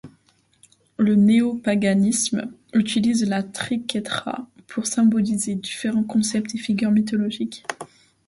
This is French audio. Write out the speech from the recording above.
Le néopaganisme utilise la triquetra pour symboliser différents concepts et figures mythologiques.